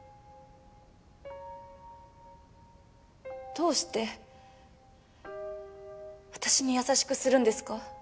どうして私に優しくするんですか？